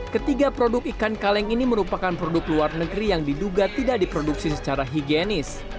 ketiga produk ikan kaleng ini merupakan produk luar negeri yang diduga tidak diproduksi secara higienis